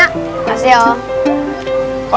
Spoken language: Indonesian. makasih ya om